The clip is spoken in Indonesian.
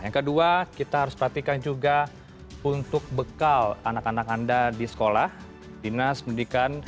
yang kedua kita harus perhatikan juga untuk bekal anak anak anda di sekolah dinas pendidikan